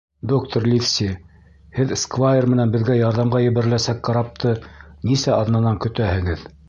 — Доктор Ливси, һеҙ сквайр менән беҙгә ярҙамға ебәреләсәк карапты нисә аҙнанан көтәһегеҙ?